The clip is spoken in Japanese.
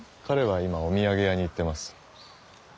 彼は今お土産屋に行ってます。